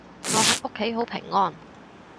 我喺屋企好平安